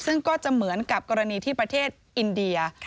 ซึ่งก็จะเหมือนกับกรณีที่ประเทศอินเดีย